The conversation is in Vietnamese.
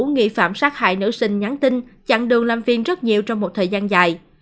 nghi phạm sát hại nữ sinh nhắn tin chặn đường làm phiền rất nhiều trong một thời gian dài